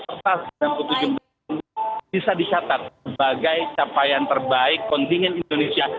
kertas dan sembilan puluh tujuh medali perunggu bisa dicatat sebagai capaian terbaik kontingen indonesia